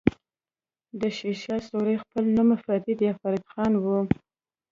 د شير شاه سوری خپل نوم فريد يا فريد خان وه.